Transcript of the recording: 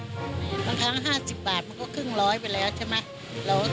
บางครั้ง๕๐บาทมันก็